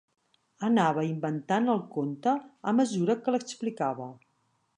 Anava inventant el conte a mesura que l'explicava.